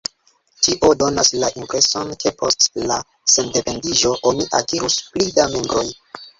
Tio donas la impreson, ke post la sendependiĝo oni akirus pli da membroj.